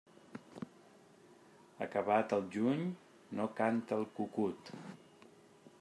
Acabat el juny, no canta el cucut.